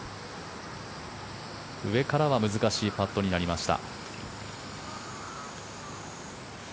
上からは難しいパットになりました。